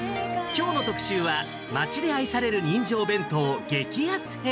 きょうの特集は、町で愛される人情弁当・激安編。